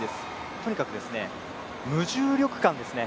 とにかく、無重力感ですね。